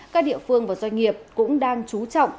các địa phương và doanh nghiệp cũng đang chú trọng